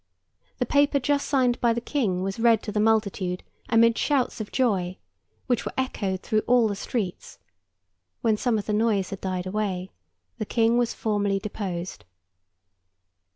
The paper just signed by the King was read to the multitude amid shouts of joy, which were echoed through all the streets; when some of the noise had died away, the King was formally deposed.